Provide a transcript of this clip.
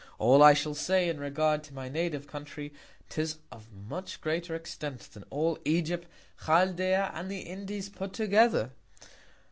All I shall say, in regard to my native Country, 'tis of much greater Extent, than all Egypt, Chaldea, and the Indies put together.